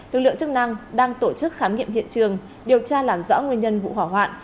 lực lượng chức năng đang tổ chức khám nghiệm hiện trường điều tra làm rõ nguyên nhân vụ hỏa hoạn